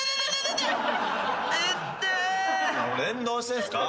連動してんすか？